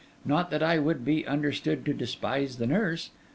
Not that I would be understood to despise the nurse.